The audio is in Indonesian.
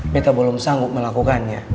bete belum sanggup melakukannya